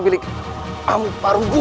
milik anwar barugul